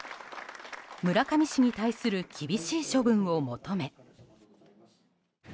村上氏に対する厳しい処分を求め。